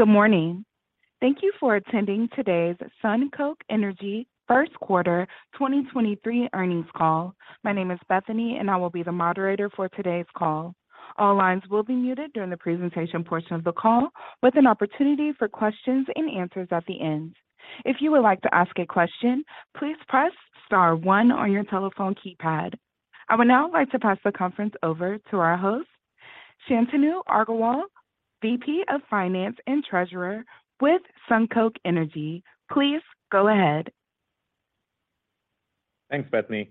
Good morning. Thank you for attending today's SunCoke Energy first quarter 2023 earnings call. My name is Bethany, and I will be the moderator for today's call. All lines will be muted during the presentation portion of the call, with an opportunity for questions and answers at the end. If you would like to ask a question, please press star one on your telephone keypad. I would now like to pass the conference over to our host, Shantanu Agrawal, VP of Finance and Treasurer with SunCoke Energy. Please go ahead. Thanks, Bethany.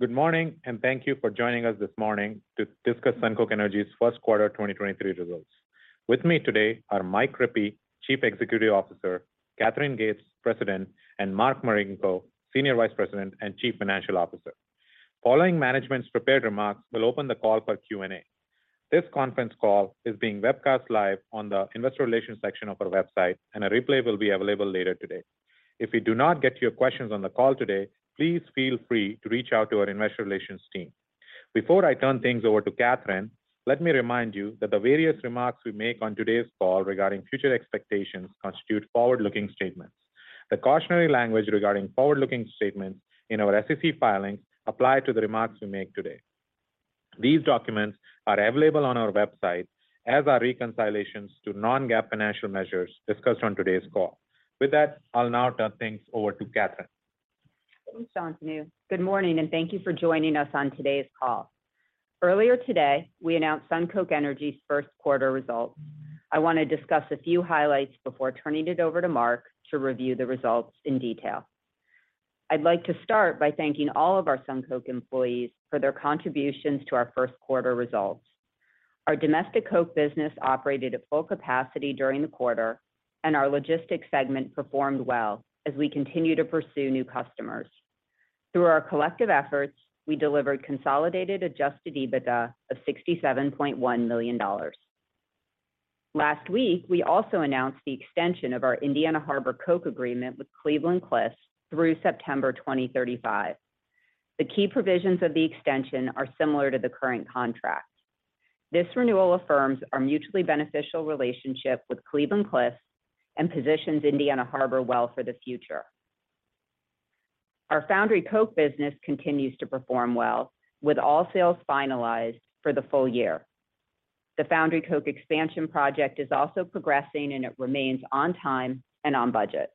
Good morning, and thank you for joining us this morning to discuss SunCoke Energy's first quarter 2023 results. With me today are Mike Rippey, Chief Executive Officer; Katherine Gates, President; and Mark Marinko, Senior Vice President and Chief Financial Officer. Following management's prepared remarks, we'll open the call for Q&A. This conference call is being webcast live on the investor relations section of our website, and a replay will be available later today. If we do not get to your questions on the call today, please feel free to reach out to our investor relations team. Before I turn things over to Katherine, let me remind you that the various remarks we make on today's call regarding future expectations constitute forward-looking statements. The cautionary language regarding forward-looking statements in our SEC filings apply to the remarks we make today. These documents are available on our website as are reconciliations to non-GAAP financial measures discussed on today's call. With that, I'll now turn things over to Katherine. Thanks, Shantanu. Good morning, thank you for joining us on today's call. Earlier today, we announced SunCoke Energy's first quarter results. I wanna discuss a few highlights before turning it over to Mark to review the results in detail. I'd like to start by thanking all of our SunCoke employees for their contributions to our first quarter results. Our domestic coke business operated at full capacity during the quarter, and our logistics segment performed well as we continue to pursue new customers. Through our collective efforts, we delivered consolidated Adjusted EBITDA of $67.1 million. Last week, we also announced the extension of our Indiana Harbor coke agreement with Cleveland-Cliffs through September 2035. The key provisions of the extension are similar to the current contract. This renewal affirms our mutually beneficial relationship with Cleveland-Cliffs and positions Indiana Harbor well for the future. Our foundry coke business continues to perform well, with all sales finalized for the full year. The foundry coke expansion project is also progressing. It remains on time and on budget.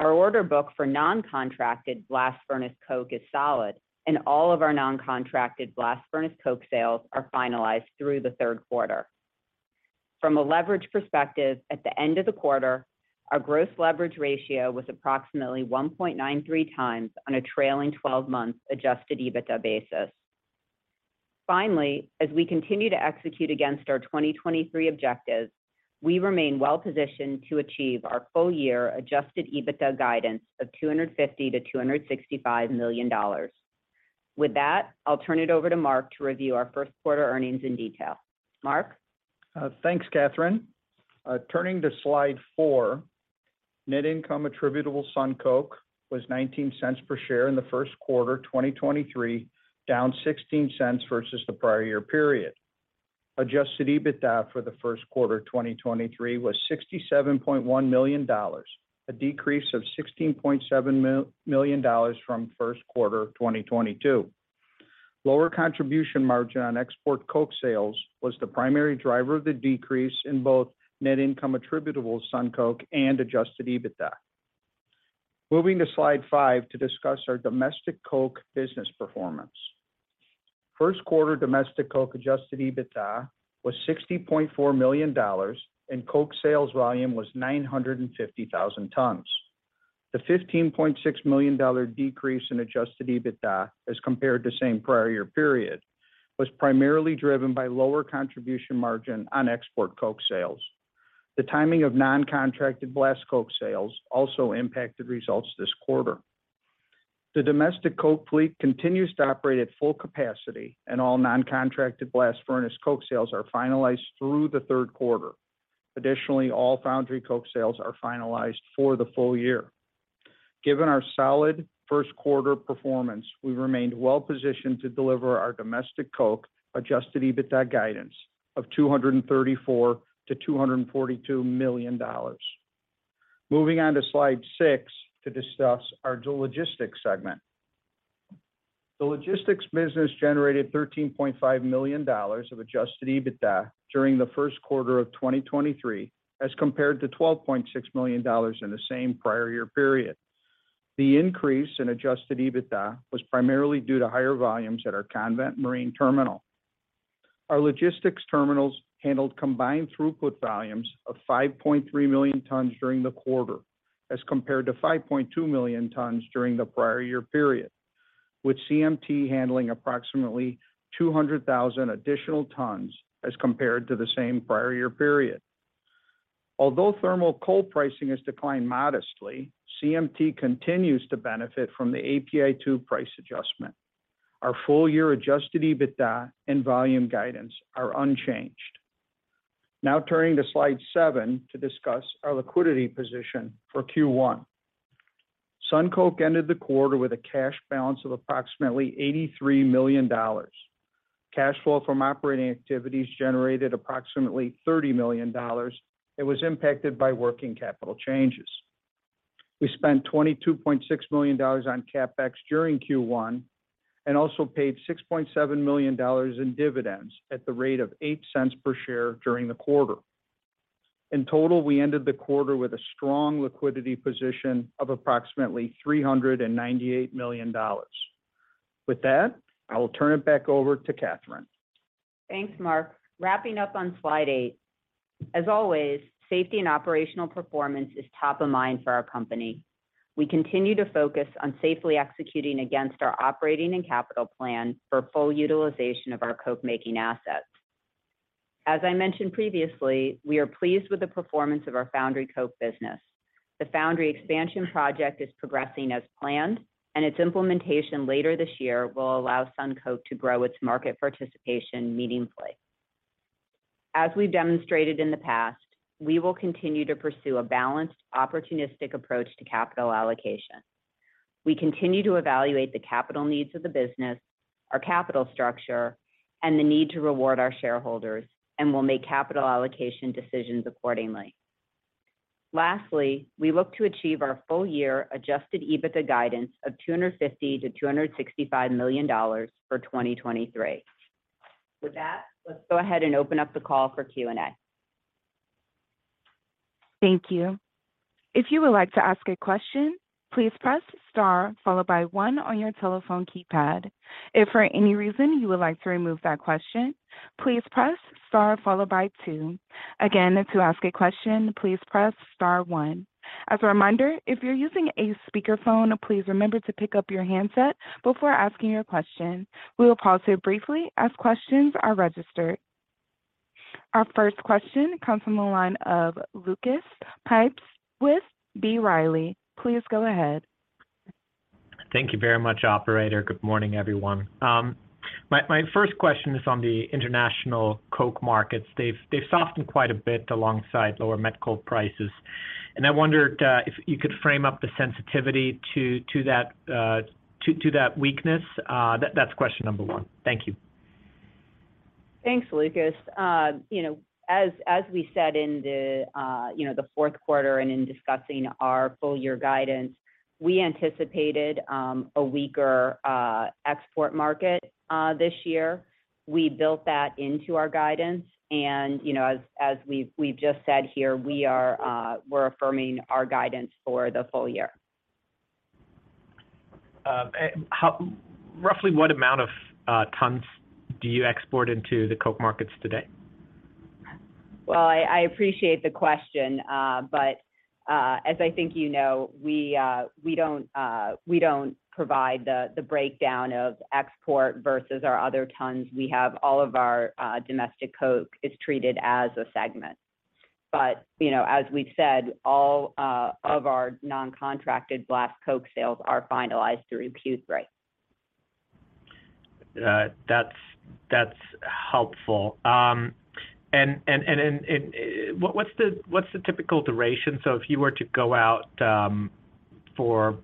Our order book for non-contracted blast furnace coke is solid. All of our non-contracted blast furnace coke sales are finalized through the third quarter. From a leverage perspective at the end of the quarter, our gross leverage ratio was approximately 1.93x on a trailing 12-month Adjusted EBITDA basis. Finally, as we continue to execute against our 2023 objectives, we remain well-positioned to achieve our full year Adjusted EBITDA guidance of $250 million-$265 million. With that, I'll turn it over to Mark to review our first quarter earnings in detail. Mark? Thanks, Katherine. Turning to slide four, net income attributable SunCoke was $0.19 per share in the first quarter 2023, down $0.16 versus the prior year period. Adjusted EBITDA for the first quarter 2023 was $67.1 million, a decrease of $16.7 million from first quarter 2022. Lower contribution margin on export coke sales was the primary driver of the decrease in both net income attributable SunCoke and Adjusted EBITDA. Moving to slide five to discuss our domestic coke business performance. First quarter domestic coke Adjusted EBITDA was $60.4 million and coke sales volume was 950,000 tons. The $15.6 million decrease in Adjusted EBITDA as compared to same prior year period was primarily driven by lower contribution margin on export coke sales. The timing of non-contracted blast furnace coke sales also impacted results this quarter. The domestic coke fleet continues to operate at full capacity, and all non-contracted blast furnace coke sales are finalized through the third quarter. Additionally, all foundry coke sales are finalized for the full year. Given our solid first quarter performance, we remained well-positioned to deliver our domestic coke Adjusted EBITDA guidance of $234 million-$242 million. Moving on to slide six to discuss our logistics segment. The logistics business generated $13.5 million of Adjusted EBITDA during the first quarter of 2023 as compared to $12.6 million in the same prior year period. The increase in Adjusted EBITDA was primarily due to higher volumes at our Convent Marine Terminal. Our logistics terminals handled combined throughput volumes of 5.3 million tons during the quarter as compared to 5.2 million tons during the prior year period, with CMT handling approximately 200,000 additional tons as compared to the same prior year period. Although thermal coal pricing has declined modestly, CMT continues to benefit from the API 2 price adjustment. Our full year Adjusted EBITDA and volume guidance are unchanged. Turning to slide seven to discuss our liquidity position for Q1. SunCoke ended the quarter with a cash balance of approximately $83 million. Cash flow from operating activities generated approximately $30 million. It was impacted by working capital changes. We spent $22.6 million on CapEx during Q1 and also paid $6.7 million in dividends at the rate of $0.08 per share during the quarter. We ended the quarter with a strong liquidity position of approximately $398 million. With that, I will turn it back over to Katherine. Thanks, Mark. Wrapping up on slide eight. As always, safety and operational performance is top of mind for our company. We continue to focus on safely executing against our operating and capital plan for full utilization of our cokemaking assets. As I mentioned previously, we are pleased with the performance of our foundry coke business. The foundry expansion project is progressing as planned, and its implementation later this year will allow SunCoke to grow its market participation meaningfully. As we've demonstrated in the past, we will continue to pursue a balanced, opportunistic approach to capital allocation. We continue to evaluate the capital needs of the business, our capital structure, and the need to reward our shareholders, and we'll make capital allocation decisions accordingly. Lastly, we look to achieve our full-year Adjusted EBITDA guidance of $250 million-$265 million for 2023. With that, let's go ahead and open up the call for Q&A. Thank you. If you would like to ask a question, please press star followed by one on your telephone keypad. If for any reason you would like to remove that question, please press star followed by two. Again, to ask a question, please press star one. As a reminder, if you're using a speakerphone, please remember to pick up your handset before asking your question. We will pause here briefly as questions are registered. Our first question comes from the line of Lucas Pipes with B. Riley Securities. Please go ahead. Thank you very much, operator. Good morning, everyone. My first question is on the international coke markets. They've softened quite a bit alongside lower metallurgical coke prices, and I wondered if you could frame up the sensitivity to that weakness. That's question number one. Thank you. Thanks, Lucas. You know, as we said in the, you know, the fourth quarter and in discussing our full year guidance, we anticipated a weaker export market this year. We built that into our guidance and, you know, as we've just said here, we are, we're affirming our guidance for the full year. Roughly what amount of tons do you export into the coke markets today? Well, I appreciate the question, as I think you know, we don't provide the breakdown of export versus our other tons. We have all of our domestic coke is treated as a segment. You know, as we've said, all of our non-contracted blast coke sales are finalized through Q3. That's, that's helpful. What's the typical duration? If you were to go out for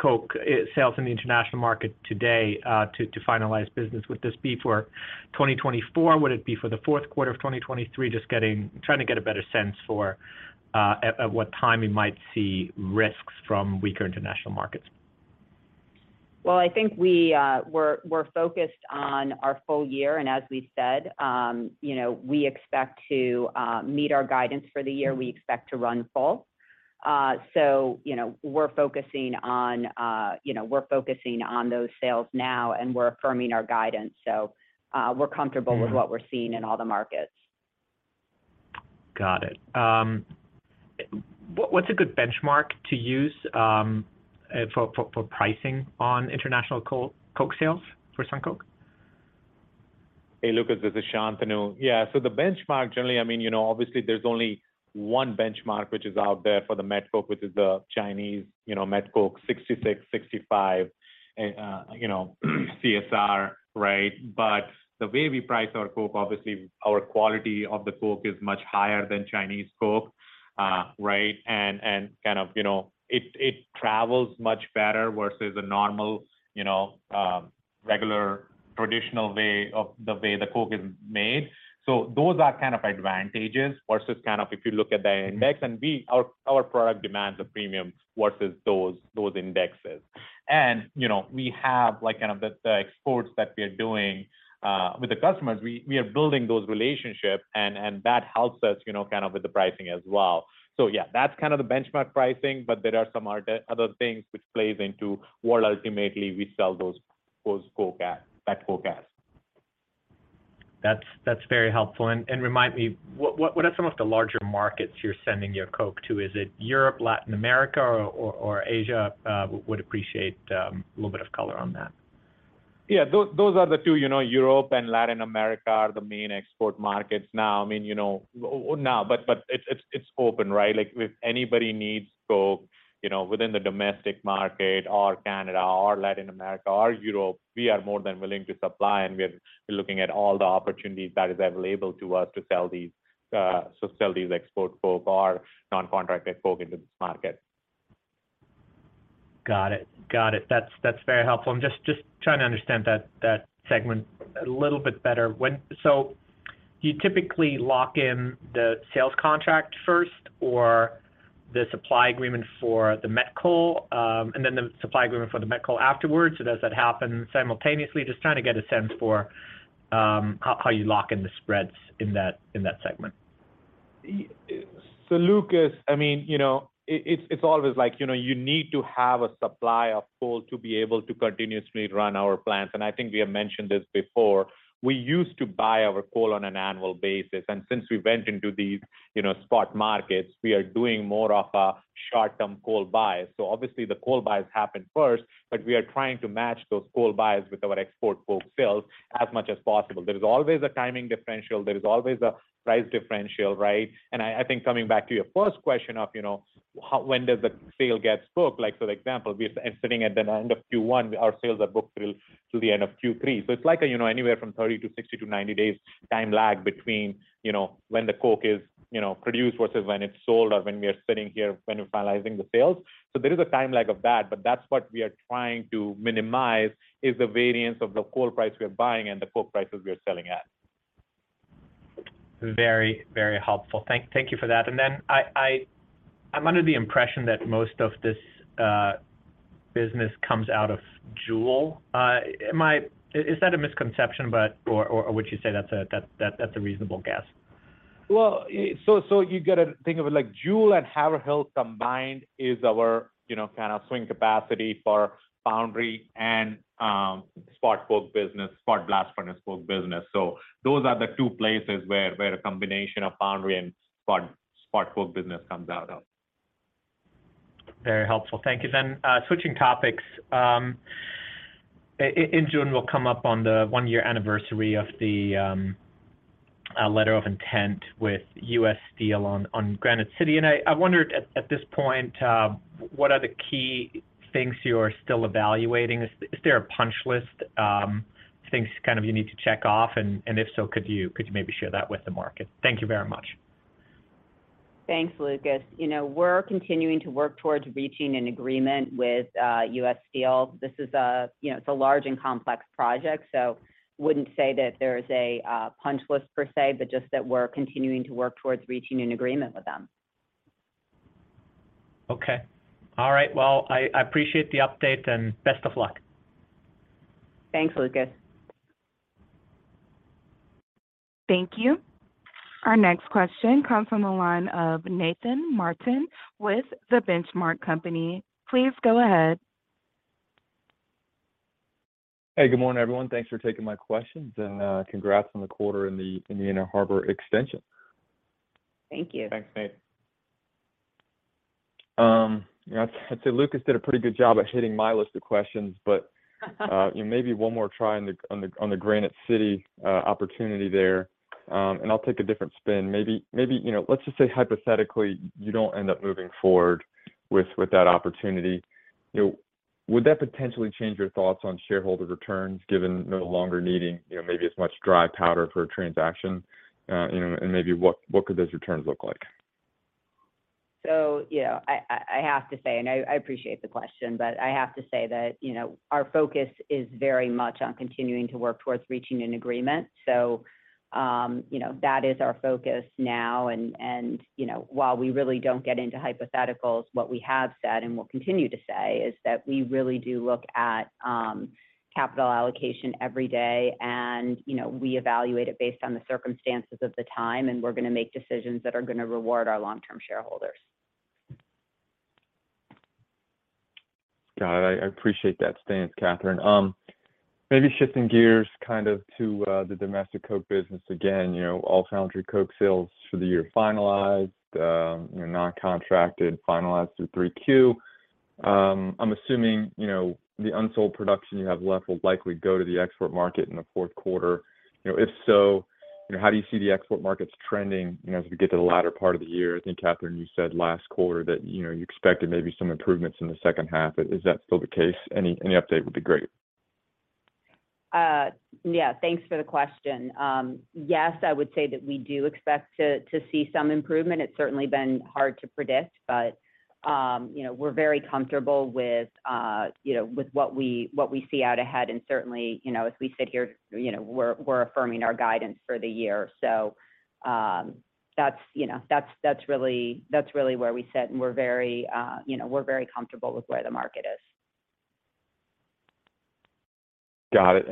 coke sales in the international market today to finalize business, would this be for 2024? Would it be for the fourth quarter of 2023? Just trying to get a better sense for at what time we might see risks from weaker international markets. Well, I think we're, we're focused on our full year, and as we said, you know, we expect to meet our guidance for the year. We expect to run full. You know, we're focusing on, you know, we're focusing on those sales now, and we're affirming our guidance. We're comfortable with what we're seeing in all the markets. Got it. What's a good benchmark to use for pricing on international coke sales for SunCoke? Hey, Lucas, this is Shantanu. Yeah, the benchmark generally, I mean, you know, obviously there's only one benchmark which is out there for the metallurgical coke, which is the Chinese, you know, metallurgical coke 66, 65, you know, CSR, right? The way we price our coke, obviously our quality of the coke is much higher than Chinese coke, right? Kind of, you know, it travels much better versus a normal, you know, regular, traditional way of the way the coke is made. Those are kind of advantages versus kind of if you look at the index and our product demands a premium versus those indexes. You know, we have like kind of the exports that we are doing with the customers, we are building those relationships and that helps us, you know, kind of with the pricing as well. Yeah, that's kind of the benchmark pricing, but there are some other things which plays into what ultimately we sell those coke at, that coke at. That's very helpful. Remind me, what are some of the larger markets you're sending your coke to? Is it Europe, Latin America or Asia? Would appreciate a little bit of color on that. Yeah, those are the two. You know, Europe and Latin America are the main export markets now. I mean, you know, now, but it's open, right? Like, if anybody needs coke, you know, within the domestic market or Canada or Latin America or Europe, we are more than willing to supply, and we are looking at all the opportunities that is available to us to sell these. Sell these export coke or non-contracted coke into this market. Got it. That's very helpful. I'm just trying to understand that segment a little bit better. You typically lock in the sales contract first or the supply agreement for the metallurgical coal, and then the supply agreement for the metallurgical coal afterwards, or does that happen simultaneously? Just trying to get a sense for how you lock in the spreads in that segment. Lucas, I mean, you know, it's always like, you know, you need to have a supply of coal to be able to continuously run our plants. I think we have mentioned this before. We used to buy our coal on an annual basis, and since we went into these, you know, spot markets, we are doing more of a short-term coal buys. Obviously the coal buys happen first, but we are trying to match those coal buys with our export coke sales as much as possible. There is always a timing differential. There is always a price differential, right? I think coming back to your first question of, you know, when does the sale get booked. Like, for example, we are sitting at the end of Q1, our sales are booked till the end of Q3. It's like a, you know, anywhere from 30 to 60 to 90 days time lag between, you know, when the coke is, you know, produced versus when it's sold or when we are sitting here when we're finalizing the sales. There is a time lag of that, but that's what we are trying to minimize, is the variance of the coal price we are buying and the coke prices we are selling at. Very helpful. Thank you for that. I'm under the impression that most of this business comes out of Jewell. Is that a misconception, or would you say that's a reasonable guess? You got to think of it like Jewell and Haverhill combined is our, you know, kind of swing capacity for foundry and spot coke business, spot blast furnace coke business. Those are the two places where a combination of foundry and spot coke business comes out of. Very helpful. Thank you. Switching topics, in June, we'll come up on the one-year anniversary of the letter of intent with U.S. Steel on Granite City. I wondered at this point, what are the key things you're still evaluating? Is there a punch list, things kind of you need to check off? If so, could you maybe share that with the market? Thank you very much. Thanks, Lucas. You know, we're continuing to work towards reaching an agreement with U.S. Steel. This is a, you know, it's a large and complex project. Wouldn't say that there is a punch list per se, but just that we're continuing to work towards reaching an agreement with them. Okay. All right. Well, I appreciate the update and best of luck. Thanks, Lucas. Thank you. Our next question comes from the line of Nathan Martin with The Benchmark Company. Please go ahead. Hey, good morning, everyone. Thanks for taking my questions and congrats on the quarter and the Indiana Harbor extension. Thank you. Thanks, Nate. You know, I'd say Lucas did a pretty good job at hitting my list of questions. Maybe one more try on the Granite City opportunity there. I'll take a different spin. Maybe, you know, let's just say hypothetically, you don't end up moving forward with that opportunity. You know, would that potentially change your thoughts on shareholder returns, given no longer needing, you know, maybe as much dry powder for a transaction, you know, and maybe what could those returns look like? You know, I have to say, and I appreciate the question, but I have to say that, you know, our focus is very much on continuing to work towards reaching an agreement. You know, that is our focus now and, you know, while we really don't get into hypotheticals, what we have said and will continue to say is that we really do look at capital allocation every day and, you know, we evaluate it based on the circumstances of the time, and we're gonna make decisions that are gonna reward our long-term shareholders. Got it. I appreciate that stance, Katherine. Maybe shifting gears kind of to the domestic coke business again. You know, all foundry coke sales for the year finalized, you know, non-contracted finalized through 3Q. I'm assuming, you know, the unsold production you have left will likely go to the export market in the fourth quarter. You know, if so, you know, how do you see the export markets trending, you know, as we get to the latter part of the year? I think, Katherine, you said last quarter that, you know, you expected maybe some improvements in the second half. Is that still the case? Any, any update would be great. Yeah. Thanks for the question. Yes, I would say that we do expect to see some improvement. It's certainly been hard to predict, but, you know, we're very comfortable with, you know, with what we see out ahead. Certainly, you know, as we sit here, you know, we're affirming our guidance for the year. That's, you know, that's really where we sit, and we're very, you know, we're very comfortable with where the market is. Got it.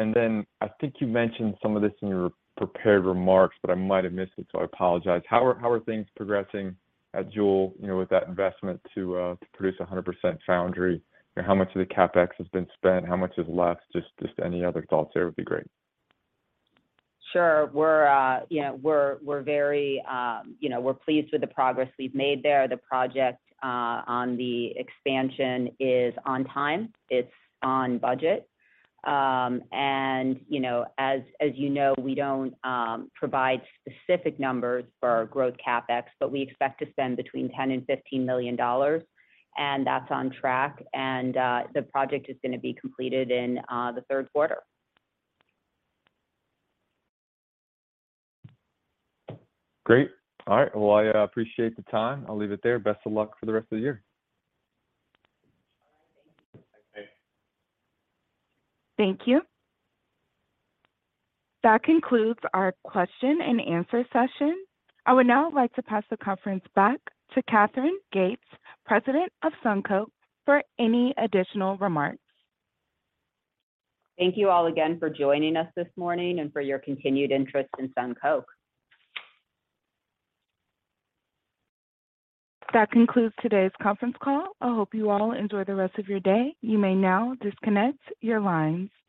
I think you mentioned some of this in your prepared remarks, but I might have missed it, so I apologize. How are things progressing at Jewell, you know, with that investment to produce 100% foundry? How much of the CapEx has been spent? How much is left? Just any other thoughts there would be great. Sure. We're, you know, we're very, you know, we're pleased with the progress we've made there. The project on the expansion is on time. It's on budget. You know, as you know, we don't provide specific numbers for our growth CapEx, but we expect to spend between $10 million and $15 million, and that's on track. The project is gonna be completed in the third quarter. Great. All right. Well, I appreciate the time. I'll leave it there. Best of luck for the rest of the year. Thank you. Thanks. Thank you. That concludes our question and answer session. I would now like to pass the conference back to Katherine Gates, President of SunCoke, for any additional remarks. Thank you all again for joining us this morning and for your continued interest in SunCoke. That concludes today's conference call. I hope you all enjoy the rest of your day. You may now disconnect your lines.